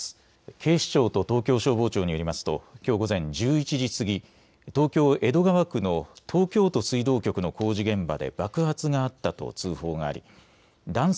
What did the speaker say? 警視庁と東京消防庁によりますときょう午前１１時過ぎ東京江戸川区の東京都水道局の工事現場で爆発があったと通報があり男性